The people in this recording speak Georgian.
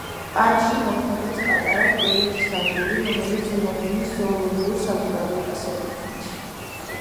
პარკში მოქმედებს პატარა კვლევითი სადგური, რომელიც ლონდონის ზოოლოგიურ საზოგადოებას ეკუთვნის.